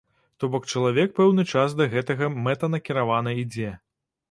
То бок чалавек пэўны час да гэтага мэтанакіравана ідзе.